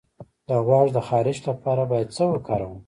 د غوږ د خارش لپاره باید څه وکاروم؟